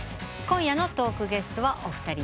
今夜のトークゲストはお二人です。